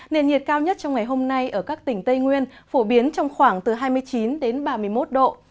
nền nhiệt cao nhất trong ngày hôm nay ở các tỉnh tây nguyên phổ biến trong khoảng từ hai mươi chín đến ba mươi một độ